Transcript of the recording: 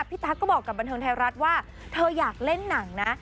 ตั๊กก็บอกกับบันเทิงไทยรัฐว่าเธออยากเล่นหนังนะ